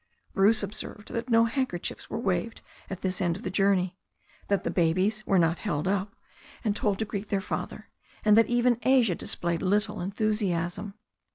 Bruce observed that no handkerchiefs were waved at this end of the journey, that the babies were not held up and told to greet their father, and that even Asia displayed little enthusiasm.